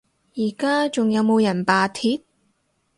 而家仲有冇人罷鐵？